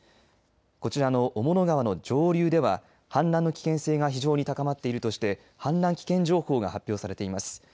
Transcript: こちらの雄物川の上流では氾濫の危険性が非常に高まっているとして氾濫危険情報が発表されています。